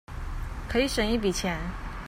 可以省一筆錢